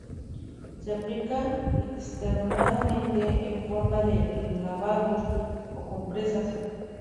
Se aplica externamente en forma de lavados o compresas.